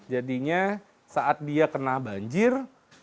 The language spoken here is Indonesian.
jadinya saat dia kena banjir